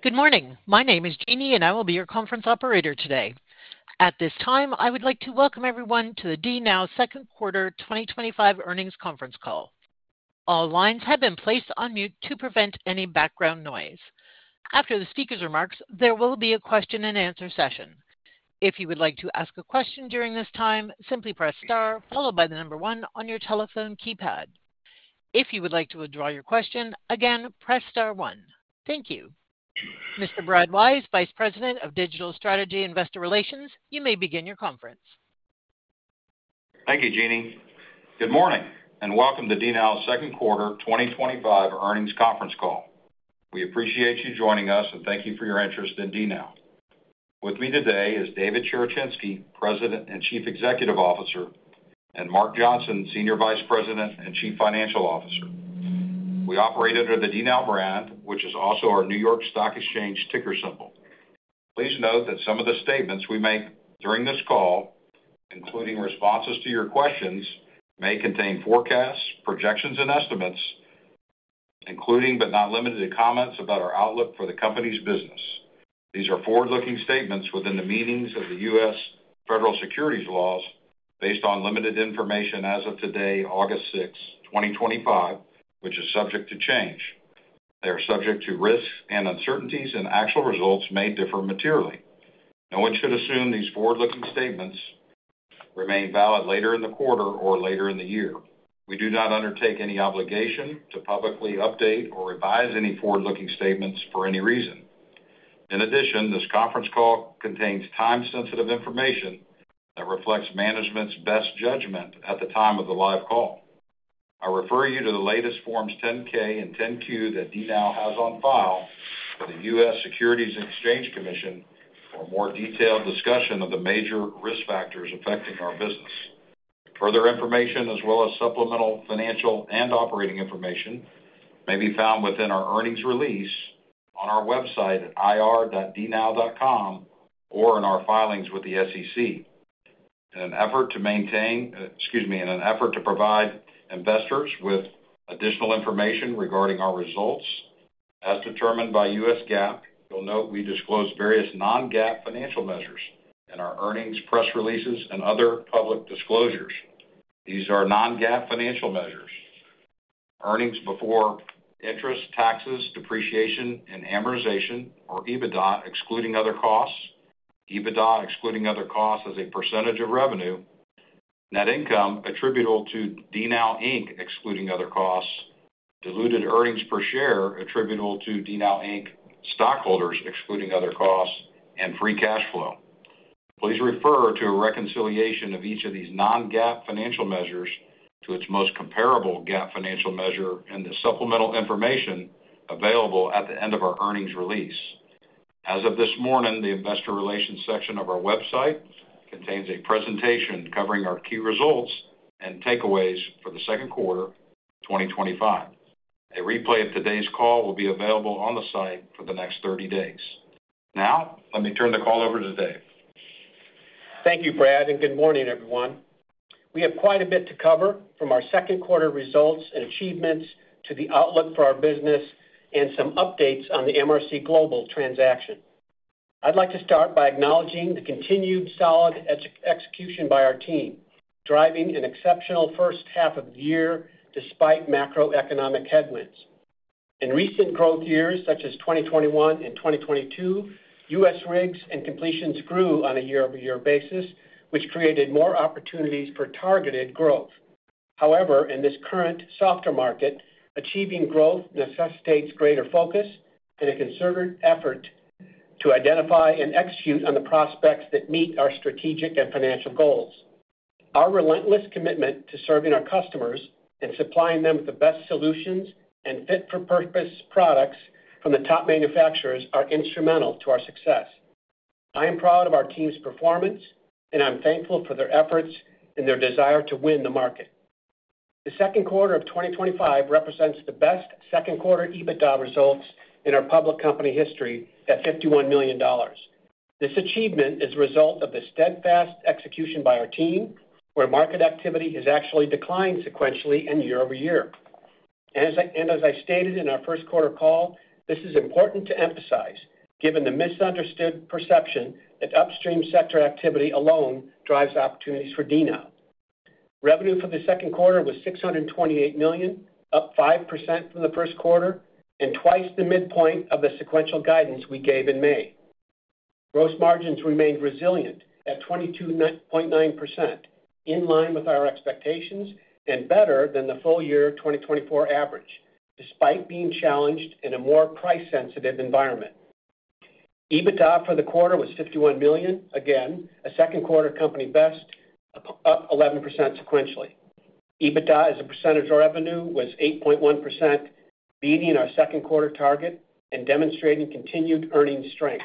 Good morning. My name is [Jeannie], and I will be your conference operator today. At this time, I would like to welcome everyone to the DNOW's Second Quarter 2025 Earnings Conference call. All lines have been placed on mute to prevent any background noise. After the speaker's remarks, there will be a question and answer session. If you would like to ask a question during this time, simply press star, followed by the number one on your telephone keypad. If you would like to withdraw your question, again, press star one. Thank you. Mr. Brad Wise, Vice President of Digital Strategy and Investor Relations, you may begin your conference. Thank you, Jeannie. Good morning and welcome to DNOW's second quarter 2025 earnings conference call. We appreciate you joining us and thank you for your interest in DNOW. With me today is David Cherechinsky, President and Chief Executive Officer, and Mark Johnson, Senior Vice President and Chief Financial Officer. We operate under the DNOW brand, which is also our New York Stock Exchange ticker symbol. Please note that some of the statements we make during this call, including responses to your questions, may contain forecasts, projections, and estimates, including but not limited to comments about our outlook for the company's business. These are forward-looking statements within the meanings of the U.S. Federal Securities Laws based on limited information as of today, August 6th, 2025, which is subject to change. They are subject to risks and uncertainties, and actual results may differ materially. No one should assume these forward-looking statements remain valid later in the quarter or later in the year. We do not undertake any obligation to publicly update or revise any forward-looking statements for any reason. In addition, this conference call contains time-sensitive information that reflects management's best judgment at the time of the live call. I refer you to the latest Forms 10-K and 10-Q that DNOW has on file with the U.S. Securities and Exchange Commission for a more detailed discussion of the major risk factors affecting our business. Further information, as well as supplemental financial and operating information, may be found within our earnings release on our website at ir.dnow.com or in our filings with the SEC. In an effort to provide investors with additional information regarding our results, as determined by U.S. GAAP, you'll note we disclose various non-GAAP financial measures in our earnings press releases and other public disclosures. These are non-GAAP financial measures: earnings before interest, taxes, depreciation, and amortization, or EBITDA, excluding other costs; EBITDA, excluding other costs as a percentage of revenue; net income attributable to DNOW Inc, excluding other costs; diluted earnings per share attributable to DNOW Inc stockholders, excluding other costs; and free cash flow. Please refer to a reconciliation of each of these non-GAAP financial measures to its most comparable GAAP financial measure and the supplemental information available at the end of our earnings release. As of this morning, the investor relations section of our website contains a presentation covering our key results and takeaways for the second quarter 2025. A replay of today's call will be available on the site for the next 30 days. Now, let me turn the call over to Dave. Thank you, Brad, and good morning, everyone. We have quite a bit to cover from our second quarter results and achievements to the outlook for our business and some updates on the MRC Global transaction. I'd like to start by acknowledging the continued solid execution by our team, driving an exceptional first half of the year despite macroeconomic headwinds. In recent growth years, such as 2021 and 2022, U.S. rigs and completions grew on a year-over-year basis, which created more opportunities for targeted growth. However, in this current softer market, achieving growth necessitates greater focus and a concerted effort to identify and execute on the prospects that meet our strategic and financial goals. Our relentless commitment to serving our customers and supplying them with the best solutions and fit-for-purpose products from the top manufacturers is instrumental to our success. I am proud of our team's performance, and I'm thankful for their efforts and their desire to win the market. The second quarter of 2025 represents the best second quarter EBITDA results in our public company history at $51 million. This achievement is a result of the steadfast execution by our team, where market activity has actually declined sequentially and year-over-year. As I stated in our first quarter call, this is important to emphasize, given the misunderstood perception that upstream sector activity alone drives opportunities for DNOW. Revenue for the second quarter was $628 million, up 5% from the first quarter, and twice the midpoint of the sequential guidance we gave in May. Gross margins remained resilient at 22.9%, in line with our expectations and better than the full year 2024 average, despite being challenged in a more price-sensitive environment. EBITDA for the quarter was $51 million, again, a second quarter company best, up 11% sequentially. EBITDA as a percentage of revenue was 8.1%, beating our second quarter target and demonstrating continued earnings strength.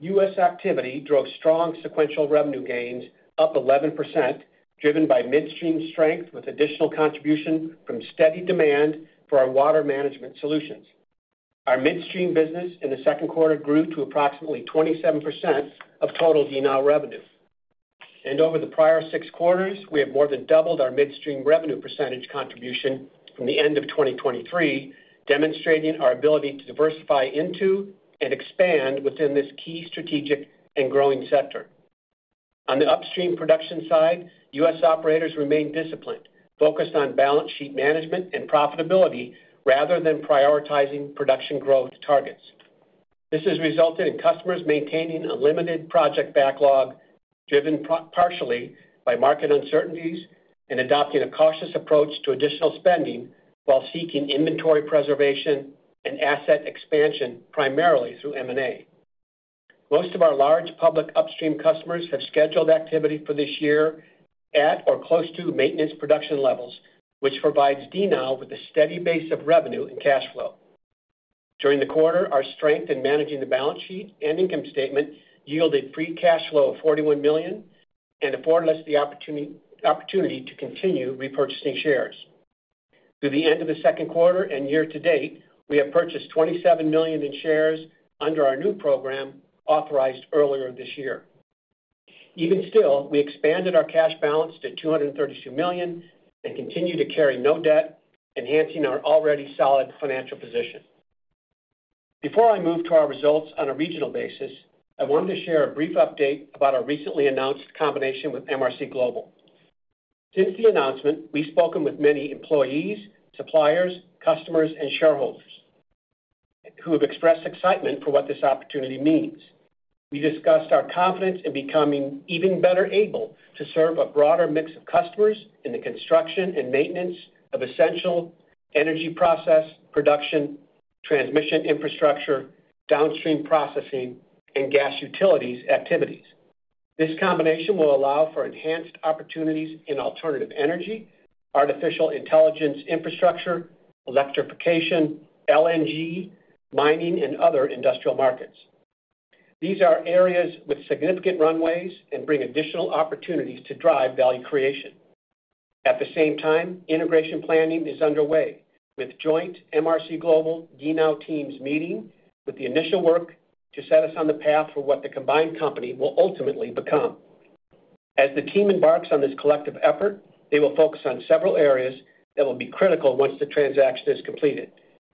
U.S. activity drove strong sequential revenue gains, up 11%, driven by midstream strength with additional contribution from steady demand for our water management solutions. Our midstream business in the second quarter grew to approximately 27% of total DNOW revenue. Over the prior six quarters, we have more than doubled our midstream revenue percentage contribution from the end of 2023, demonstrating our ability to diversify into and expand within this key strategic and growing sector. On the upstream production side, U.S. operators remain disciplined, focused on balance sheet management and profitability rather than prioritizing production growth targets. This has resulted in customers maintaining a limited project backlog, driven partially by market uncertainties and adopting a cautious approach to additional spending while seeking inventory preservation and asset expansion, primarily through M&A. Most of our large public upstream customers have scheduled activity for this year at or close to maintenance production levels, which provides DNOW with a steady base of revenue and cash flow. During the quarter, our strength in managing the balance sheet and income statement yielded free cash flow of $41 million and afforded us the opportunity to continue repurchasing shares. Through the end of the second quarter and year to date, we have purchased $27 million in shares under our new program authorized earlier this year. Even still, we expanded our cash balance to $232 million and continue to carry no debt, enhancing our already solid financial position. Before I move to our results on a regional basis, I wanted to share a brief update about our recently announced combination with MRC Global. Since the announcement, we've spoken with many employees, suppliers, customers, and shareholders who have expressed excitement for what this opportunity means. We discussed our confidence in becoming even better able to serve a broader mix of customers in the construction and maintenance of essential energy process, production, transmission infrastructure, downstream processing, and gas utilities activities. This combination will allow for enhanced opportunities in alternative energy, AI-driven infrastructure, electrification, RNG, mining, and other industrial markets. These are areas with significant runways and bring additional opportunities to drive value creation. At the same time, integration planning is underway with joint MRC Global DNOW teams meeting with the initial work to set us on the path for what the combined company will ultimately become. As the team embarks on this collective effort, they will focus on several areas that will be critical once the transaction is completed,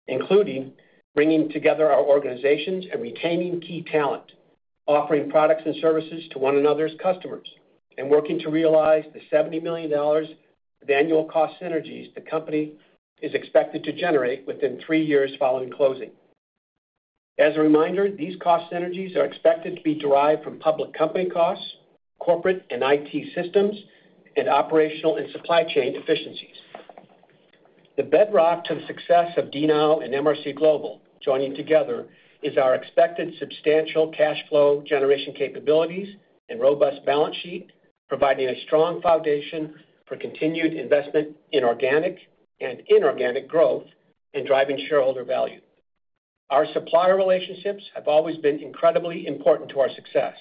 including bringing together our organizations and retaining key talent, offering products and services to one another's customers, and working to realize the $70 million of annual cost synergies the company is expected to generate within three years following closing. As a reminder, these cost synergies are expected to be derived from public company costs, corporate and IT systems, and operational and supply chain efficiencies. The bedrock to the success of DNOW and MRC Global joining together is our expected substantial cash flow generation capabilities and robust balance sheet, providing a strong foundation for continued investment in organic and inorganic growth and driving shareholder value. Our supplier relationships have always been incredibly important to our success.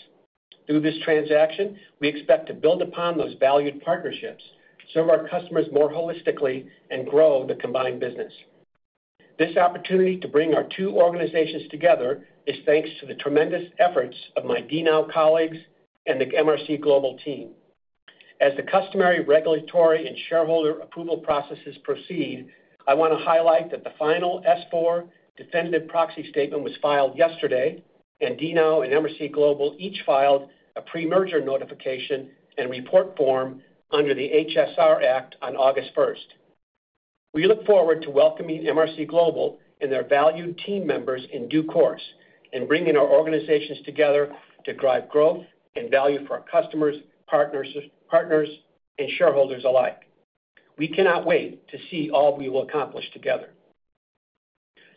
Through this transaction, we expect to build upon those valued partnerships, serve our customers more holistically, and grow the combined business. This opportunity to bring our two organizations together is thanks to the tremendous efforts of my DNOW colleagues and the MRC Global team. As the customary regulatory and shareholder approval processes proceed, I want to highlight that the final S-4 Definitive Proxy Statement was filed yesterday, and DNOW and MRC Global each filed a Pre-Merger Notification and Report Form under the HSR Act on August 1st. We look forward to welcoming MRC Global and their valued team members in due course and bringing our organizations together to drive growth and value for our customers, partners, and shareholders alike. We cannot wait to see all we will accomplish together.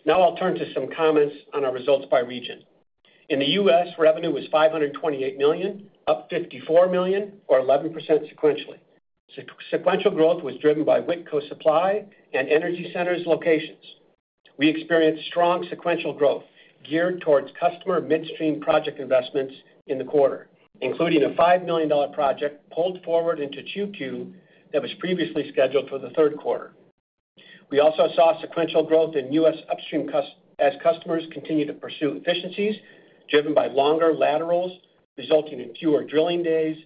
Now I'll turn to some comments on our results by region. In the U.S., revenue was $528 million, up $54 million, or 11% sequentially. Sequential growth was driven by Whitco Supply and Energy Centers locations. We experienced strong sequential growth geared towards customer midstream project investments in the quarter, including a $5 million project pulled forward into Q2 that was previously scheduled for the third quarter. We also saw sequential growth in U.S. upstream as customers continue to pursue efficiencies driven by longer laterals, resulting in fewer drilling days,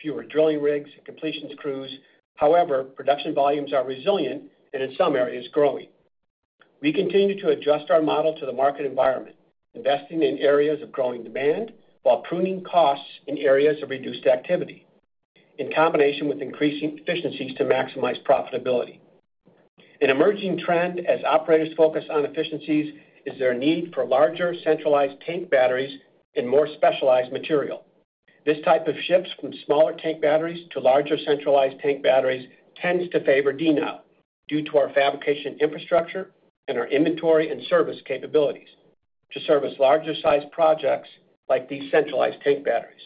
fewer drilling rigs, and completions crews. However, production volumes are resilient and in some areas growing. We continue to adjust our model to the market environment, investing in areas of growing demand while pruning costs in areas of reduced activity, in combination with increasing efficiencies to maximize profitability. An emerging trend as operators focus on efficiencies is their need for larger centralized tank batteries and more specialized material. This type of shift from smaller tank batteries to larger centralized tank batteries tends to favor DNOW due to our fabrication infrastructure and our inventory and service capabilities to service larger size projects like these centralized tank batteries.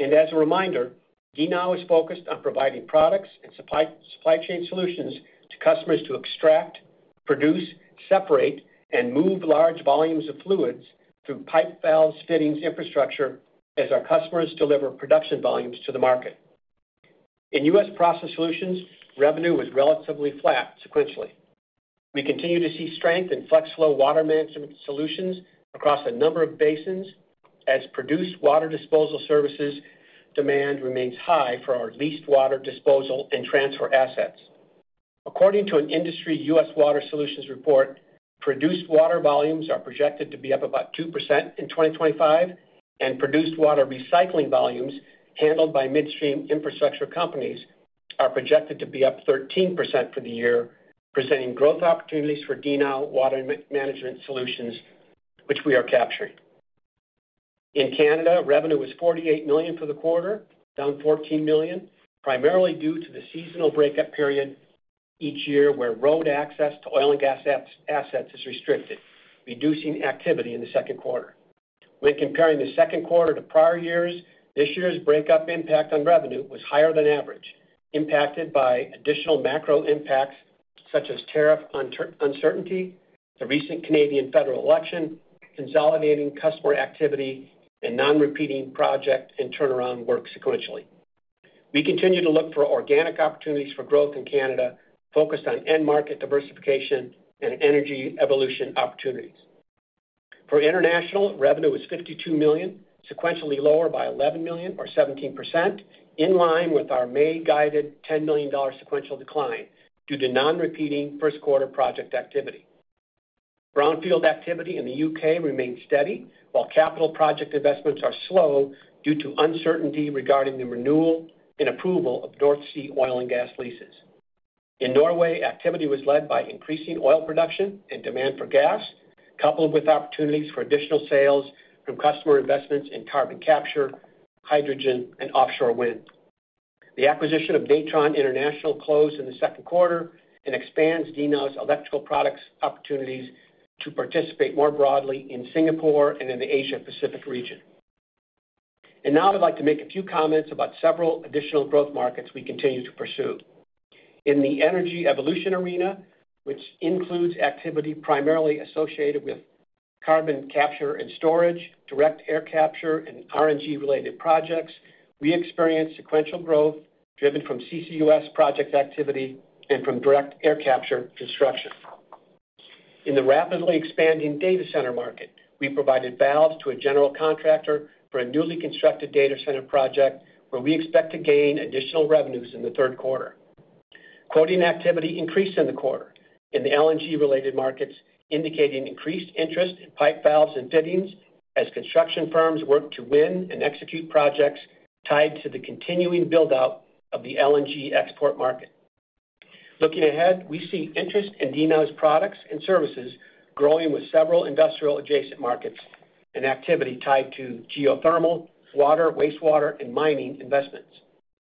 As a reminder, DNOW is focused on providing products and supply chain solutions to customers to extract, produce, separate, and move large volumes of fluids through pipe, valves, fittings, and infrastructure as our customers deliver production volumes to the market. In U.S. Process Solutions, revenue was relatively flat sequentially. We continue to see strength in flex flow water management solutions across a number of basins as produced water disposal services demand remains high for our leased water disposal and transfer assets. According to an industry U.S. Water Solutions report, produced water volumes are projected to be up about 2% in 2025, and produced water recycling volumes handled by midstream infrastructure companies are projected to be up 13% for the year, presenting growth opportunities for DNOW water management solutions, which we are capturing. In Canada, revenue was $48 million for the quarter, down $14 million, primarily due to the seasonal breakup period each year where road access to oil and gas assets is restricted, reducing activity in the second quarter. When comparing the second quarter to prior years, this year's breakup impact on revenue was higher than average, impacted by additional macro impacts such as tariff uncertainty, the recent Canadian federal election, consolidating customer activity, and non-repeating project and turnaround work sequentially. We continue to look for organic opportunities for growth in Canada, focused on end-market diversification and energy evolution opportunities. For international, revenue was $52 million, sequentially lower by $11 million, or 17%, in line with our May guided $10 million sequential decline due to non-repeating first quarter project activity. Brownfield activity in the UK remains steady, while capital project investments are slow due to uncertainty regarding the renewal and approval of North Sea oil and gas leases. In Norway, activity was led by increasing oil production and demand for gas, coupled with opportunities for additional sales from customer investments in carbon capture, hydrogen, and offshore wind. The acquisition of Natron International closed in the second quarter and expands DNOW's electrical products opportunities to participate more broadly in Singapore and in the Asia Pacific region. I would like to make a few comments about several additional growth markets we continue to pursue. In the energy evolution arena, which includes activity primarily associated with carbon capture and storage, direct air capture, and RNG-related projects, we experienced sequential growth driven from CCUS project activity and from direct air capture destruction. In the rapidly expanding data center market, we provided valves to a general contractor for a newly constructed data center project where we expect to gain additional revenues in the third quarter. Quoting activity increased in the quarter in the RNG-related markets, indicating increased interest in pipe, valves, and fittings as construction firms work to win and execute projects tied to the continuing build-out of the RNG export market. Looking ahead, we see interest in DNOW's products and services growing with several industrial adjacent markets and activity tied to geothermal, water, wastewater, and mining investments.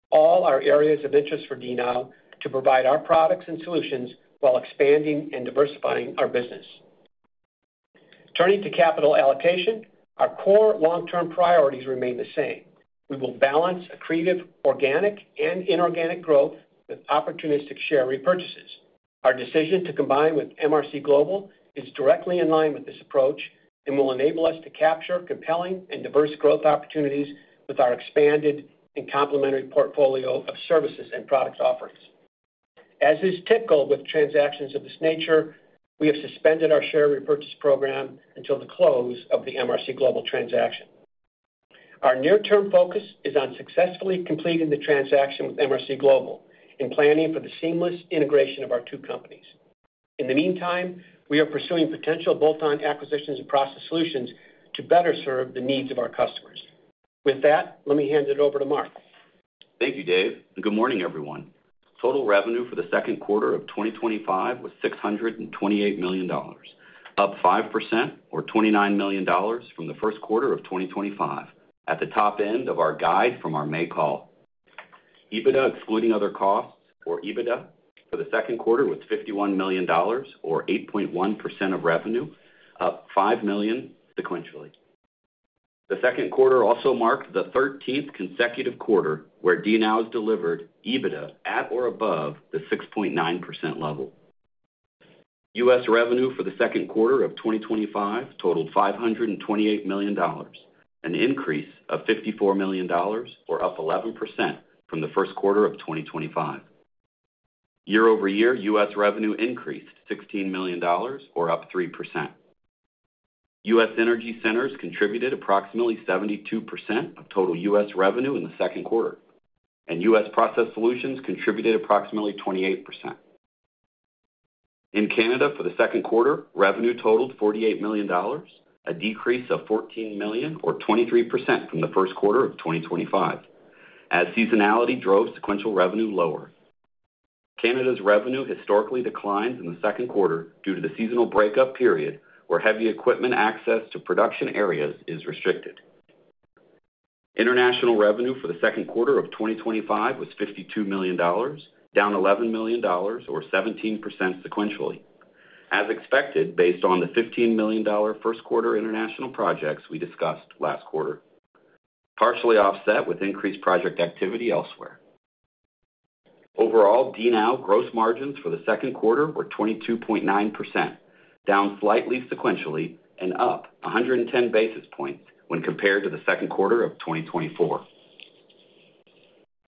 All are areas of interest for DNOW. To provide our products and solutions while expanding and diversifying our business. Turning to capital allocation, our core long-term priorities remain the same. We will balance accretive organic and inorganic growth with opportunistic share repurchases. Our decision to combine with MRC Global is directly in line with this approach and will enable us to capture compelling and diverse growth opportunities with our expanded and complementary portfolio of services and product offerings. As is typical with transactions of this nature, we have suspended our share repurchase program until the close of the MRC Global transaction. Our near-term focus is on successfully completing the transaction with MRC Global and planning for the seamless integration of our two companies. In the meantime, we are pursuing potential bolt-on acquisitions and Process Solutions to better serve the needs of our customers. With that, let me hand it over to Mark. Thank you, Dave, and good morning, everyone. Total revenue for the second quarter of 2025 was $628 million, up 5%, or $29 million from the first quarter of 2025. At the top end of our guide from our May call, EBITDA excluding other costs or EBITDA for the second quarter was $51 million, or 8.1% of revenue, up $5 million sequentially. The second quarter also marked the 13th consecutive quarter where DNOW has delivered EBITDA at or above the 6.9% level. U.S. revenue for the second quarter of 2025 totaled $528 million, an increase of $54 million, or up 11% from the first quarter of 2025. Year-over-year, U.S. revenue increased $16 million, or up 3%. U.S. Energy Centers contributed approximately 72% of total U.S. revenue in the second quarter, and U.S. Process Solutions contributed approximately 28%. In Canada, for the second quarter, revenue totaled $48 million, a decrease of $14 million, or 23% from the first quarter of 2025, as seasonality drove sequential revenue lower. Canada's revenue historically declined in the second quarter due to the seasonal breakup period where heavy equipment access to production areas is restricted. International revenue for the second quarter of 2025 was $52 million, down $11 million, or 17% sequentially, as expected based on the $15 million first quarter international projects we discussed last quarter, partially offset with increased project activity elsewhere. Overall, DNOW gross margins for the second quarter were 22.9%, down slightly sequentially, and up 110 basis points when compared to the second quarter of 2024.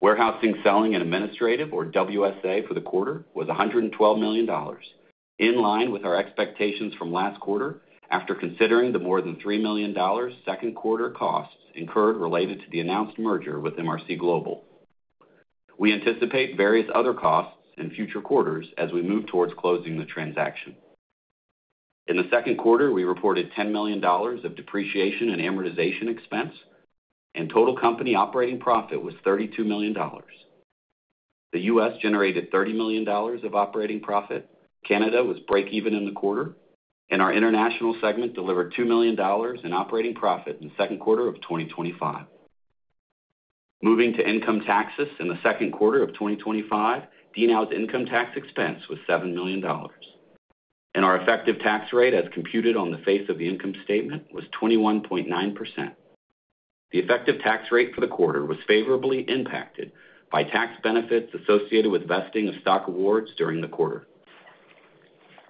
Warehousing, selling, and administrative, or WSA, for the quarter was $112 million, in line with our expectations from last quarter after considering the more than $3 million second quarter costs incurred related to the announced merger with MRC Global. We anticipate various other costs in future quarters as we move towards closing the transaction. In the second quarter, we reported $10 million of depreciation and amortization expense, and total company operating profit was $32 million. The U.S. generated $30 million of operating profit, Canada was breakeven in the quarter, and our international segment delivered $2 million in operating profit in the second quarter of 2025. Moving to income taxes in the second quarter of 2025, DNOW's income tax expense was $7 million, and our effective tax rate, as computed on the face of the income statement, was 21.9%. The effective tax rate for the quarter was favorably impacted by tax benefits associated with vesting of stock awards during the quarter.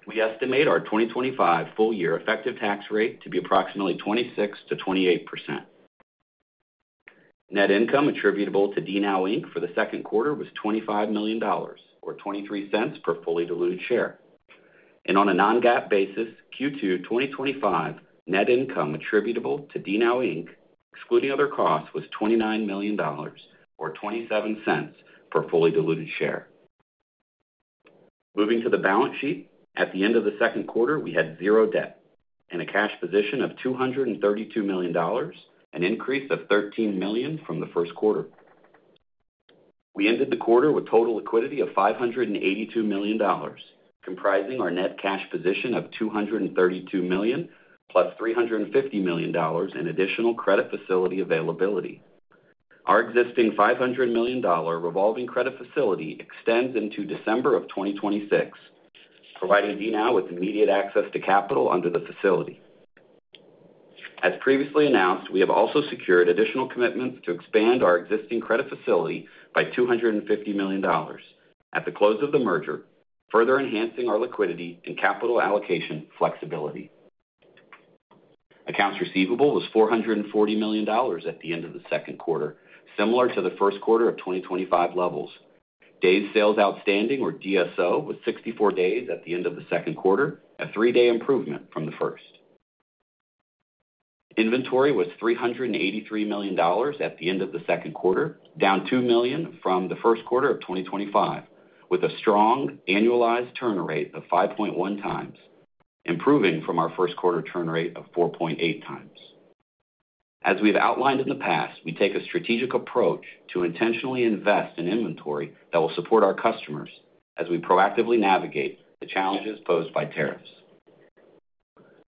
We estimate our 2025 full-year effective tax rate to be approximately 26%-28%. Net income attributable to DNOW Inc for the second quarter was $25 million, or $0.23 per fully diluted share. On a non-GAAP basis, Q2 2025 net income attributable to DNOW Inc, excluding other costs, was $29 million, or $0.27 per fully diluted share. Moving to the balance sheet, at the end of the second quarter, we had $0 debt and a cash position of $232 million, an increase of $13 million from the first quarter. We ended the quarter with total liquidity of $582 million, comprising our net cash position of $232 million + $350 million in additional credit facility availability. Our existing $500 million revolving credit facility extends into December of 2026, providing DNOW with immediate access to capital under the facility. As previously announced, we have also secured additional commitments to expand our existing credit facility by $250 million at the close of the merger, further enhancing our liquidity and capital allocation flexibility. Accounts receivable was $440 million at the end of the second quarter, similar to the first quarter of 2025 levels. Days sales outstanding, or DSO, was 64 days at the end of the second quarter, a three-day improvement from the first. Inventory was $383 million at the end of the second quarter, down $2 million from the first quarter of 2025, with a strong annualized turn rate of 5.1x, improving from our first quarter turn rate of 4.8x. As we've outlined in the past, we take a strategic approach to intentionally invest in inventory that will support our customers as we proactively navigate the challenges posed by tariffs.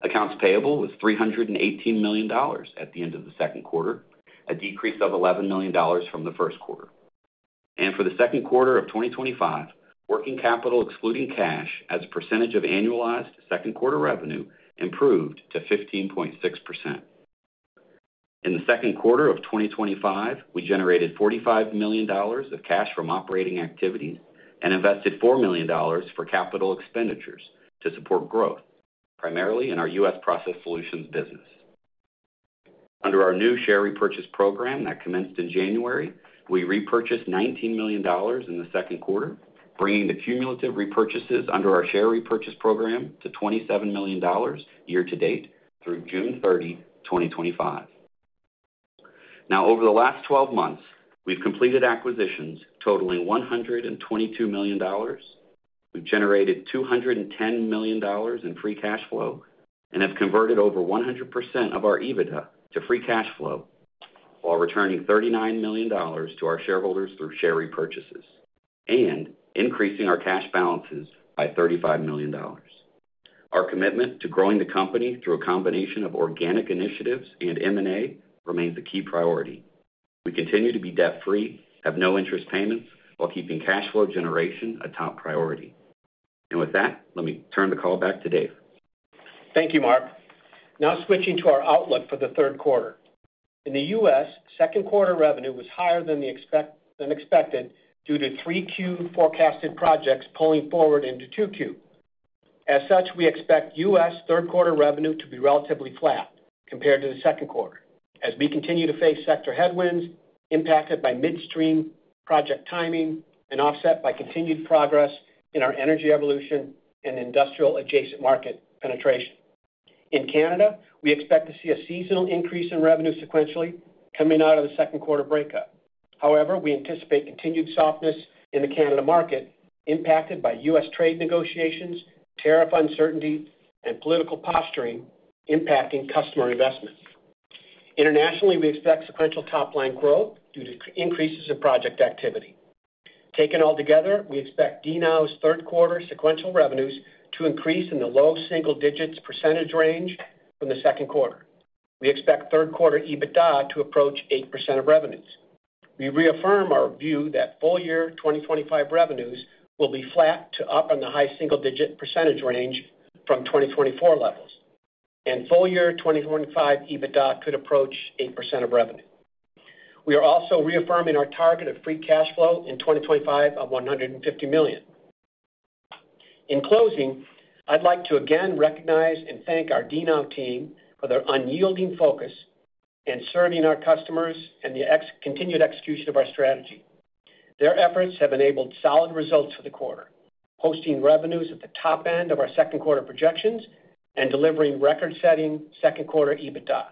Accounts payable was $318 million at the end of the second quarter, a decrease of $11 million from the first quarter. For the second quarter of 2025, working capital excluding cash as a percentage of annualized second quarter revenue improved to 15.6%. In the second quarter of 2025, we generated $45 million of cash from operating activities and invested $4 million for capital expenditures to support growth, primarily in our U.S. Process Solutions business. Under our new share repurchase program that commenced in January, we repurchased $19 million in the second quarter, bringing the cumulative repurchases under our share repurchase program to $27 million year to date through June 30, 2025. Over the last 12 months, we've completed acquisitions totaling $122 million. We've generated $210 million in free cash flow and have converted over 100% of our EBITDA to free cash flow, while returning $39 million to our shareholders through share repurchases and increasing our cash balances by $35 million. Our commitment to growing the company through a combination of organic initiatives and M&A remains a key priority. We continue to be debt-free, have no interest payments, while keeping cash flow generation a top priority. With that, let me turn the call back to Dave. Thank you, Mark. Now switching to our outlook for the third quarter. In the U.S., second quarter revenue was higher than expected due to third quarter forecasted projects pulling forward into the second quarter. As such, we expect U.S. third quarter revenue to be relatively flat compared to the second quarter as we continue to face sector headwinds impacted by midstream project timing and offset by continued progress in our energy evolution and industrial adjacent market penetration. In Canada, we expect to see a seasonal increase in revenue sequentially coming out of the second quarter breakup. However, we anticipate continued softness in the Canada market impacted by U.S. trade negotiations, tariff uncertainty, and political posturing impacting customer investments. Internationally, we expect sequential top-line growth due to increases in project activity. Taken all together, we expect DNOW's third quarter sequential revenues to increase in the low single-digits percentage range from the second quarter. We expect third quarter EBITDA to approach 8% of revenues. We reaffirm our view that full-year 2025 revenues will be flat to up on the high single-digit percentage range from 2024 levels, and full-year 2025 EBITDA could approach 8% of revenue. We are also reaffirming our target of free cash flow in 2025 of $150 million. In closing, I'd like to again recognize and thank our DNOW team for their unyielding focus in serving our customers and the continued execution of our strategy. Their efforts have enabled solid results for the quarter, posting revenues at the top end of our second quarter projections and delivering record-setting second quarter EBITDA.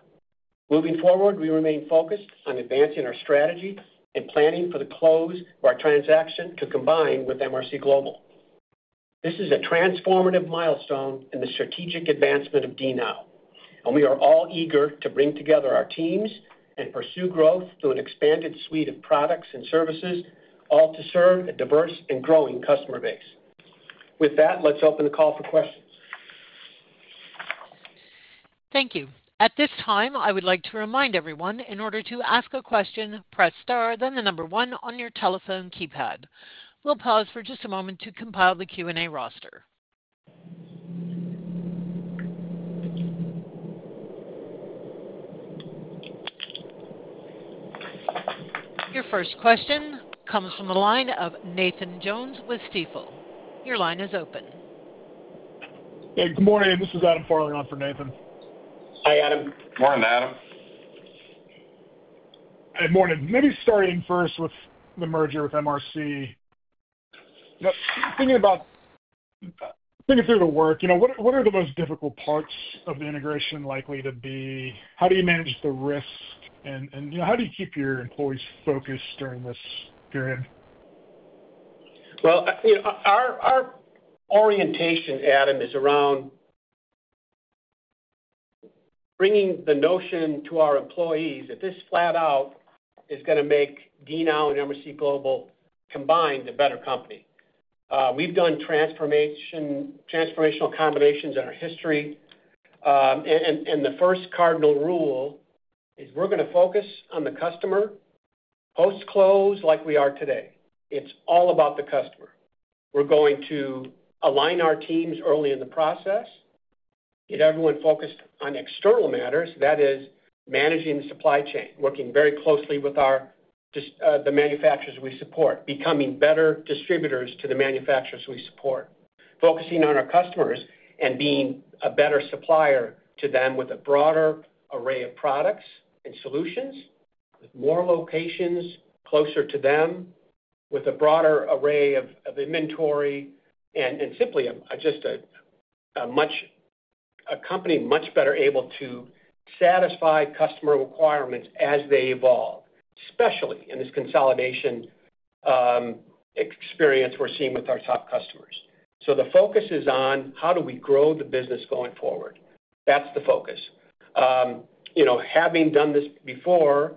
Moving forward, we remain focused on advancing our strategy and planning for the close of our transaction to combine with MRC Global. This is a transformative milestone in the strategic advancement of DNOW, and we are all eager to bring together our teams and pursue growth through an expanded suite of products and services, all to serve a diverse and growing customer base. With that, let's open the call for questions. Thank you. At this time, I would like to remind everyone, in order to ask a question, press star, then the number 1 on your telephone keypad. We'll pause for just a moment to compile the Q&A roster. Your first question comes from the line of Nathan Jones with Stifel. Your line is open. Good morning. This is Adam Farley on for Nathan. Hi, Adam. Morning, Adam. Morning. Maybe starting first with the merger with MRC, thinking about, thinking through the work, what are the most difficult parts of the integration likely to be? How do you manage the risks? How do you keep your employees focused during this period? Our orientation, Adam, is around bringing the notion to our employees that this flat out is going to make DNOW and MRC Global combined a better company. We've done transformational combinations in our history. The first cardinal rule is we're going to focus on the customer post-close like we are today. It's all about the customer. We're going to align our teams early in the process, get everyone focused on external matters, that is, managing the supply chain, working very closely with the manufacturers we support, becoming better distributors to the manufacturers we support, focusing on our customers and being a better supplier to them with a broader array of products and solutions, with more locations closer to them, with a broader array of inventory, and simply just a company much better able to satisfy customer requirements as they evolve, especially in this consolidation experience we're seeing with our top customers. The focus is on how do we grow the business going forward. That's the focus. Having done this before,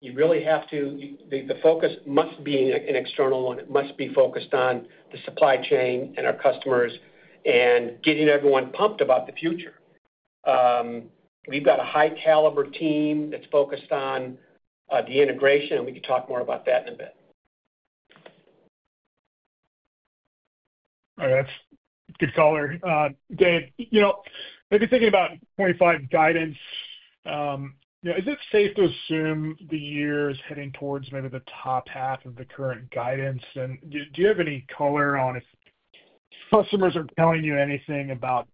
you really have to, the focus must be an external one. It must be focused on the supply chain and our customers and getting everyone pumped about the future. We've got a high-caliber team that's focused on the integration, and we can talk more about that in a bit. All right, that's a good caller. Dave, you know, maybe thinking about 2025 guidance, is it safe to assume the year is heading towards maybe the top half of the current guidance? Do you have any color on if customers are telling you anything about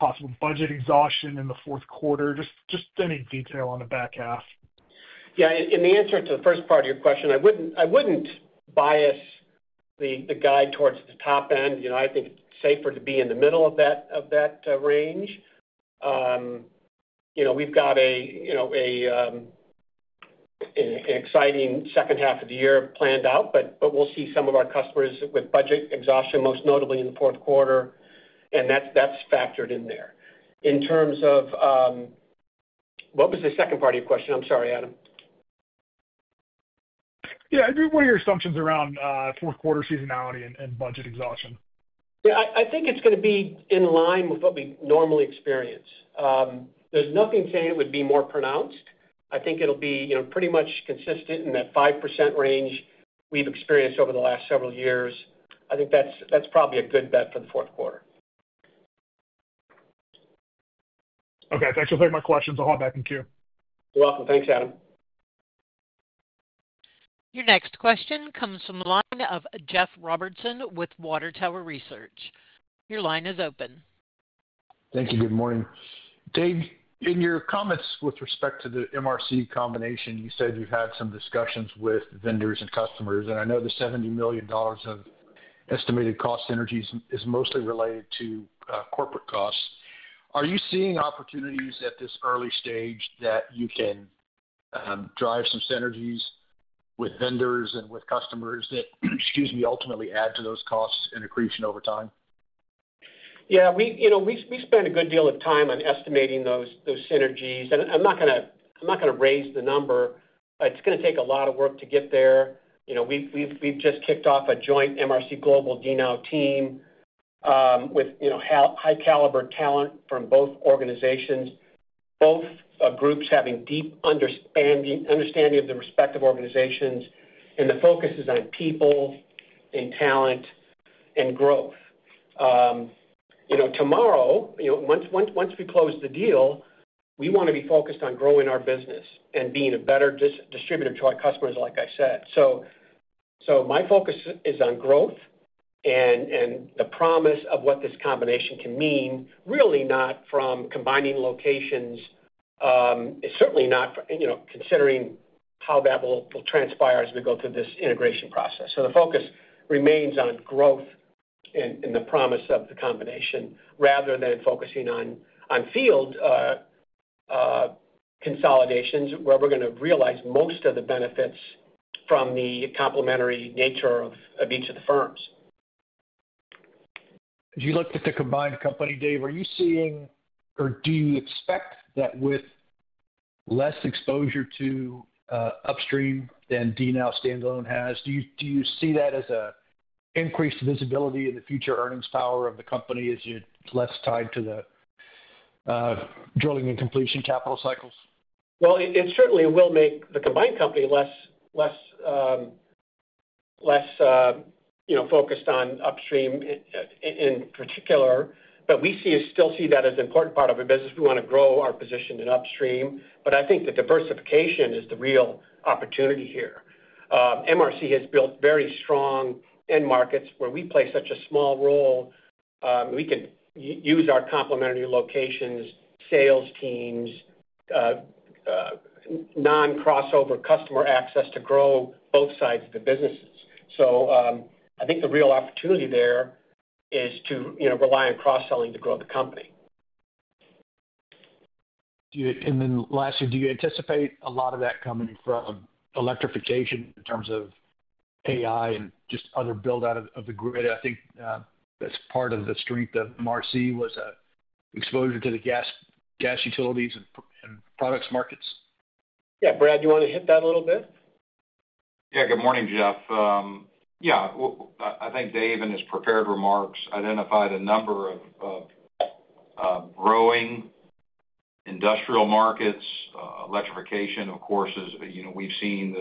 possible budget exhaustion in the fourth quarter? Just any detail on the back half? In the answer to the first part of your question, I wouldn't bias the guide towards the top end. I think it's safer to be in the middle of that range. We've got an exciting second half of the year planned out, but we'll see some of our customers with budget exhaustion, most notably in the fourth quarter, and that's factored in there. In terms of what was the second part of your question? I'm sorry, Adam. What are your assumptions around fourth quarter seasonality and budget exhaustion? Yeah, I think it's going to be in line with what we normally experience. There's nothing saying it would be more pronounced. I think it'll be pretty much consistent in that 5% range we've experienced over the last several years. I think that's probably a good bet for the fourth quarter. Okay, thanks for taking my questions. I'll hop back in queue. You're welcome. Thanks, Adam. Your next question comes from the line of Jeff Robertson with Water Tower Research. Your line is open. Thank you. Good morning. Dave, in your comments with respect to the MRC combination, you said you've had some discussions with vendors and customers, and I know the $70 million of estimated cost synergies is mostly related to corporate costs. Are you seeing opportunities at this early stage that you can drive some synergies with vendors and with customers that ultimately add to those costs and accretion over time? Yeah, we spend a good deal of time on estimating those synergies, and I'm not going to raise the number. It's going to take a lot of work to get there. We've just kicked off a joint MRC Global DNOW team with high-caliber talent from both organizations, both groups having deep understanding of the respective organizations, and the focus is on people and talent and growth. Tomorrow, once we close the deal, we want to be focused on growing our business and being a better distributor to our customers, like I said. My focus is on growth and the promise of what this combination can mean, really not from combining locations, certainly not considering how that will transpire as we go through this integration process. The focus remains on growth and the promise of the combination, rather than focusing on field consolidations where we're going to realize most of the benefits from the complementary nature of each of the firms. As you look at the combined company, Dave, are you seeing, or do you expect that with less exposure to upstream than DNOW standalone has, do you see that as an increased visibility in the future earnings power of the company as you have less tie to the drilling and completion capital cycles? It certainly will make the combined company less, you know, focused on upstream in particular, but we still see that as an important part of our business. We want to grow our position in upstream, but I think that diversification is the real opportunity here. MRC Global has built very strong end markets where we play such a small role. We can use our complementary locations, sales teams, non-crossover customer access to grow both sides of the businesses. I think the real opportunity there is to, you know, rely on cross-selling to grow the company. Lastly, do you anticipate a lot of that coming from electrification in terms of AI and just other build-out of the grid? I think that's part of the strength of MRC was exposure to the gas utilities and products markets. Yeah, Brad, you want to hit that a little bit? Yeah, good morning, Jeff. I think Dave in his prepared remarks identified a number of growing industrial markets. Electrification, of course, as you know, we've seen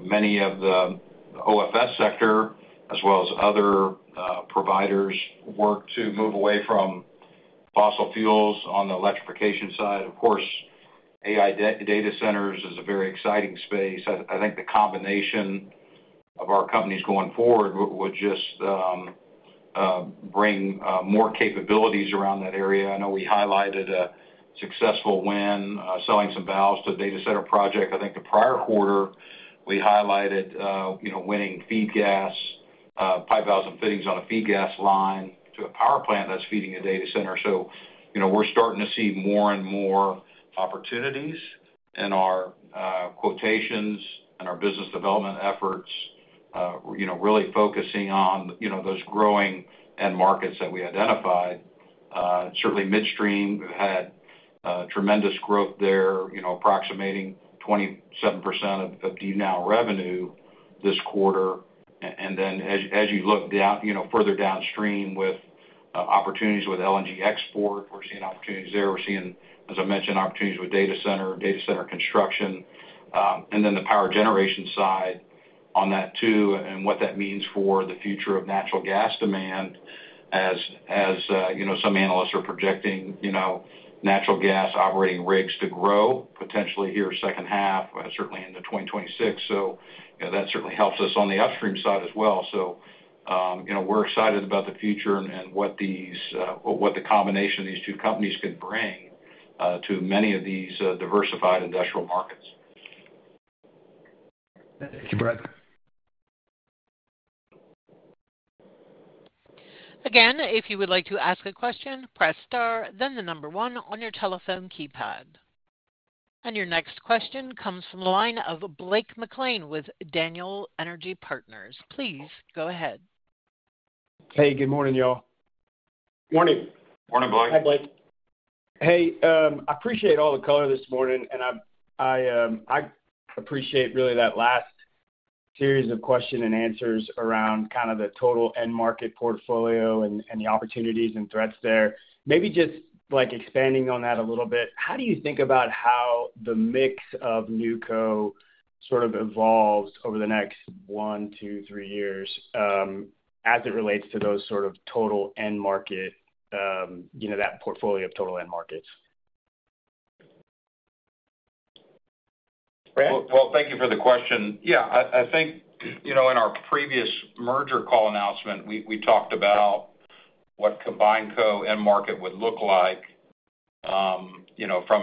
many of the OFS sector, as well as other providers, work to move away from fossil fuels on the electrification side. Of course, AI data centers is a very exciting space. I think the combination of our companies going forward would just bring more capabilities around that area. I know we highlighted a successful win selling some valves to a data center project. I think the prior quarter we highlighted winning feed gas, 5,000 fittings on a feed gas line to a power plant that's feeding the data center. We're starting to see more and more opportunities in our quotations and our business development efforts, really focusing on those growing end markets that we identified. Certainly, midstream, we've had tremendous growth there, approximating 27% of DNOW revenue this quarter. As you look further downstream with opportunities with RNG export, we're seeing opportunities there. We're seeing, as I mentioned, opportunities with data center, data center construction, and then the power generation side on that too, and what that means for the future of natural gas demand, as some analysts are projecting natural gas operating rigs to grow potentially here in the second half, certainly into 2026. That certainly helps us on the upstream side as well. We're excited about the future and what the combination of these two companies can bring to many of these diversified industrial markets. Thank you, Brad. If you would like to ask a question, press star, then the number one on your telephone keypad. Your next question comes from the line of Blake McLean with Daniel Energy Partners. Please go ahead. Hey, good morning, you all. Morning. Morning, Blake. Hi, Blake. I appreciate all the color this morning, and I appreciate really that last series of questions and answers around kind of the total end market portfolio and the opportunities and threats there. Maybe just expanding on that a little bit, how do you think about how the mix of [NewCo] evolves over the next one, two, three years as it relates to those total end market, you know, that portfolio of total end markets? Thank you for the question. I think, in our previous merger call announcement, we talked about what combined co-end market would look like, from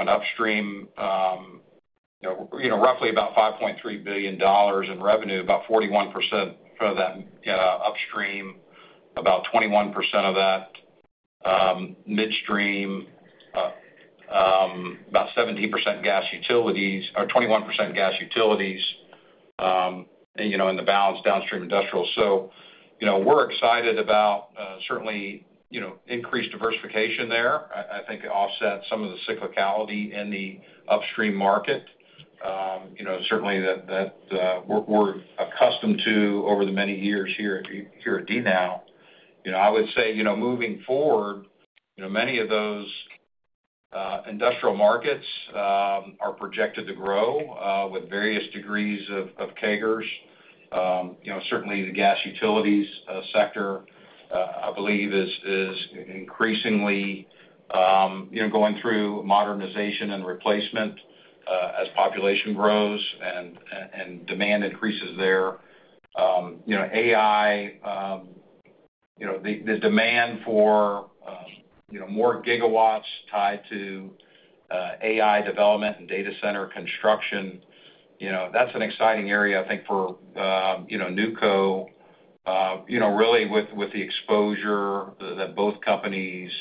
an upstream, roughly about $5.3 billion in revenue, about 41% of that upstream, about 21% of that midstream, about 17% gas utilities, or 21% gas utilities, in the balance downstream industrials. We're excited about certainly increased diversification there. I think it offsets some of the cyclicality in the upstream market, certainly that we're accustomed to over the many years here at DNOW. I would say, moving forward, many of those industrial markets are projected to grow with various degrees of CAGRs. Certainly the gas utilities sector, I believe, is increasingly going through modernization and replacement as population grows and demand increases there. AI, the demand for more gigawatts tied to AI development and data center construction, that's an exciting area, I think, for NewCo, really with the exposure that both companies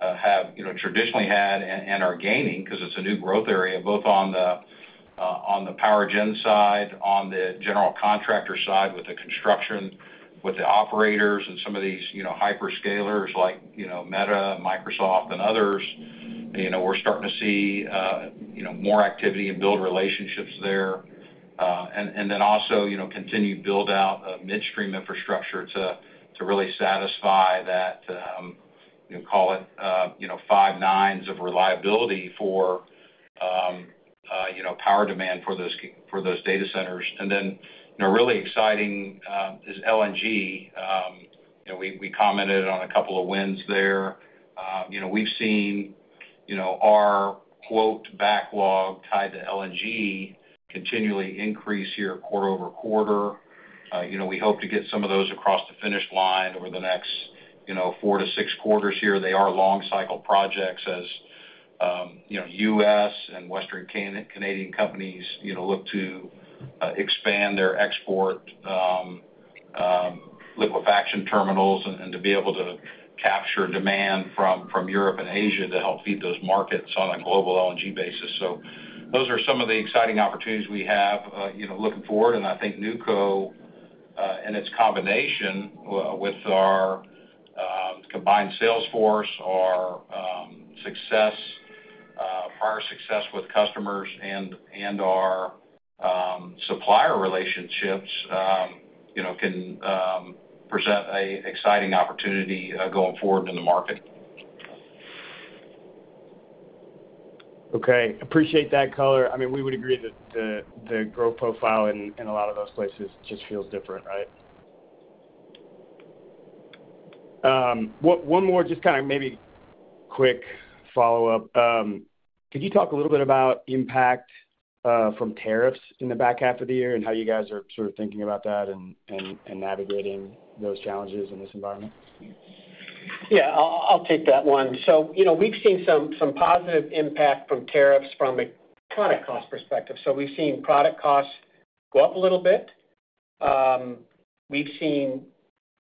have traditionally had and are gaining because it's a new growth area both on the power gen side, on the general contractor side with the construction, with the operators, and some of these hyperscalers like Meta, Microsoft, and others. We're starting to see more activity and build relationships there. Also, continue to build out midstream infrastructure to really satisfy that, call it, five nines of reliability for power demand for those data centers. Really exciting is RNG. We commented on a couple of wins there. We've seen our quote backlog tied to RNG continually increase here quarter-over-quarter. We hope to get some of those across the finish line over the next four to six quarters here. They are long cycle projects as U.S. and Western Canadian companies look to expand their export liquefaction terminals and to be able to capture demand from Europe and Asia to help feed those markets on a global RNG basis. Those are some of the exciting opportunities we have looking forward. I think NewCo and its combination with our combined sales force, our success, prior success with customers, and our supplier relationships can present an exciting opportunity going forward in the market. Okay, appreciate that color. I mean, we would agree that the growth profile in a lot of those places just feels different, right? One more, just kind of maybe quick follow-up. Could you talk a little bit about impact from tariffs in the back half of the year and how you guys are sort of thinking about that and navigating those challenges in this environment? Yeah. I'll take that one. We've seen some positive impact from tariffs from a product cost perspective. We've seen product costs go up a little bit. We've seen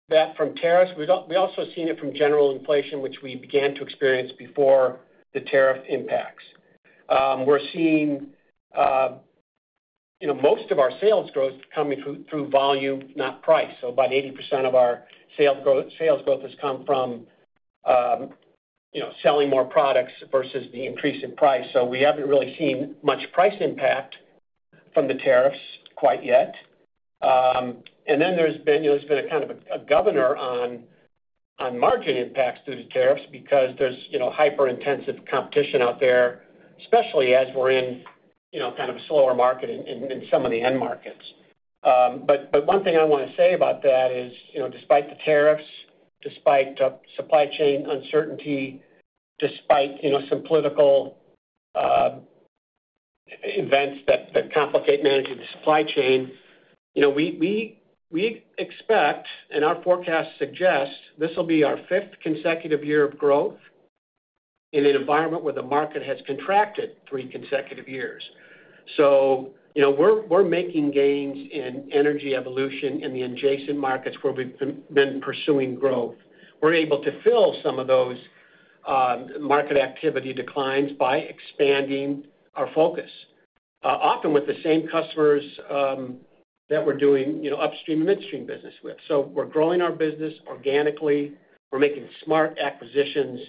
that from tariffs. We've also seen it from general inflation, which we began to experience before the tariff impacts. We're seeing most of our sales growth coming through volume, not price. About 80% of our sales growth has come from selling more products versus the increase in price. We haven't really seen much price impact from the tariffs quite yet. There's been a kind of a governor on margin impacts due to tariffs because there's hyper-intensive competition out there, especially as we're in kind of a slower market in some of the end markets. One thing I want to say about that is, despite the tariffs, despite supply chain uncertainty, despite some political events that complicate managing the supply chain, we expect, and our forecasts suggest this will be our fifth consecutive year of growth in an environment where the market has contracted three consecutive years. We're making gains in energy evolution and the adjacent markets where we've been pursuing growth. We're able to fill some of those market activity declines by expanding our focus, often with the same customers that we're doing upstream and midstream business with. We're growing our business organically. We're making smart acquisitions.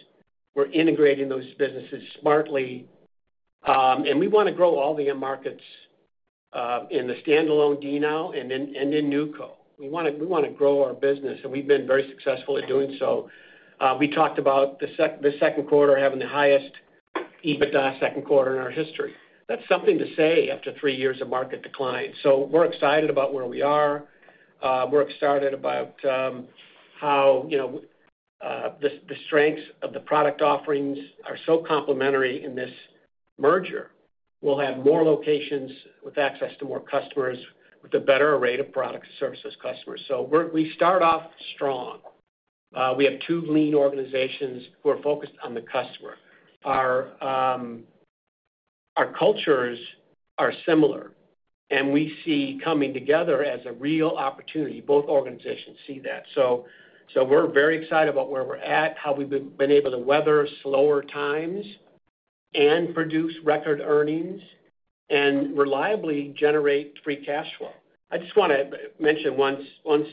We're integrating those businesses smartly. We want to grow all the end markets in the standalone DNOW and in NewCo. We want to grow our business, and we've been very successful at doing so. We talked about the second quarter having the highest EBITDA second quarter in our history. That's something to say after three years of market decline. We're excited about where we are. We're excited about how the strengths of the product offerings are so complementary in this merger. We'll have more locations with access to more customers with a better array of products and services. We start off strong. We have two lean organizations who are focused on the customer. Our cultures are similar, and we see coming together as a real opportunity. Both organizations see that. We're very excited about where we're at, how we've been able to weather slower times and produce record earnings and reliably generate free cash flow. I just want to mention one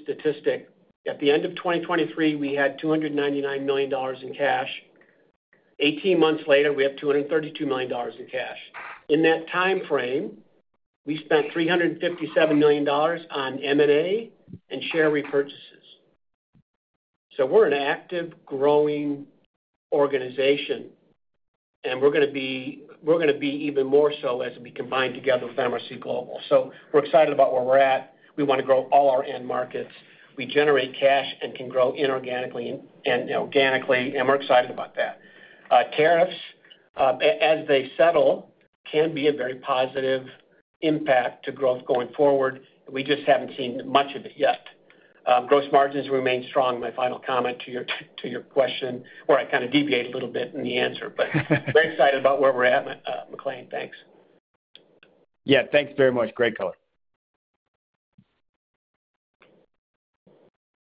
statistic. At the end of 2023, we had $299 million in cash. 18 months later, we have $232 million in cash. In that timeframe, we spent $357 million on M&A and share repurchases. We're an active growing organization, and we're going to be even more so as we combine together with MRC Global. We're excited about where we're at. We want to grow all our end markets. We generate cash and can grow inorganically and organically, and we're excited about that. Tariffs, as they settle, can be a very positive impact to growth going forward. We just haven't seen much of it yet. Gross margins remain strong. My final comment to your question, or I kind of deviate a little bit in the answer, but very excited about where we're at. McLean, thanks. Yeah, thanks very much. Great color.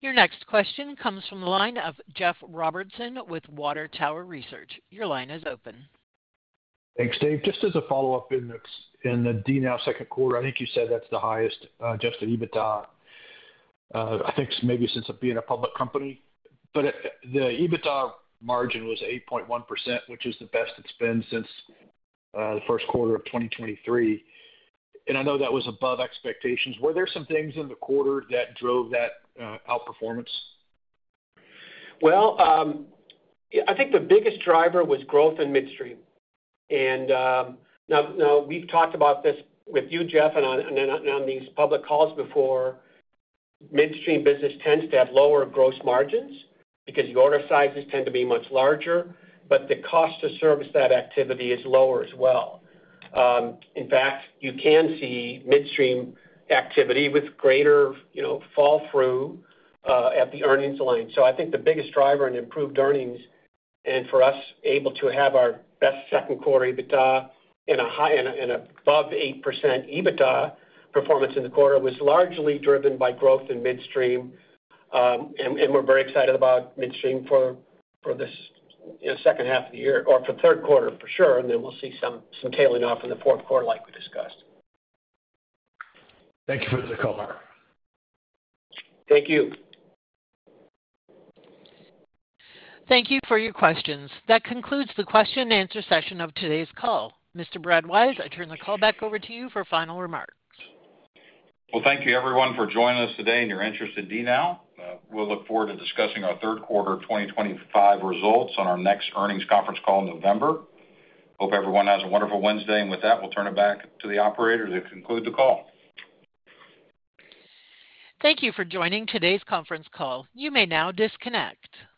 Your next question comes from the line of Jeff Robertson with Water Tower Research. Your line is open. Thanks, Dave. Just as a follow-up in the DNOW second quarter, I think you said that's the highest adjusted EBITDA. I think it's maybe since it's been a public company, but the EBITDA margin was 8.1%, which is the best it's been since the first quarter of 2023. I know that was above expectations. Were there some things in the quarter that drove that outperformance? I think the biggest driver was growth in midstream. We've talked about this with you, Jeff, and on these public calls before. Midstream business tends to have lower gross margins because the order sizes tend to be much larger, but the cost to service that activity is lower as well. In fact, you can see midstream activity with greater fall through at the earnings line. I think the biggest driver in improved earnings and for us able to have our best second quarter EBITDA and above 8% EBITDA performance in the quarter was largely driven by growth in midstream. We're very excited about midstream for this second half of the year or for the third quarter, for sure. We'll see some tailing off in the fourth quarter, like we discussed. Thank you for the color. Thank you. Thank you for your questions. That concludes the question and answer session of today's call. Mr. Brad Wise, I turn the call back over to you for a final remark. Thank you, everyone, for joining us today and your interest in DNOW. We'll look forward to discussing our third quarter 2025 results on our next earnings conference call in November. Hope everyone has a wonderful Wednesday, and with that, we'll turn it back to the operators to conclude the call. Thank you for joining today's conference call. You may now disconnect.